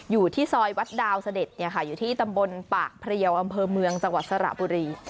อยู่ที่ซอยวัดดาวเสด็จอยู่ที่ตำบลปากเพลียวอำเภอเมืองจังหวัดสระบุรี